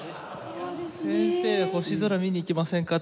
先生星空見に行きませんか？